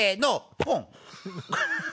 ポン。